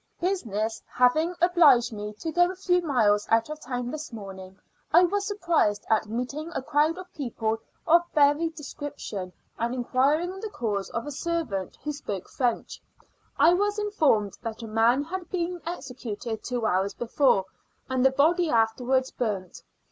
Business having obliged me to go a few miles out of town this morning I was surprised at meeting a crowd of people of every description, and inquiring the cause of a servant, who spoke French, I was informed that a man had been executed two hours before, and the body afterwards burnt.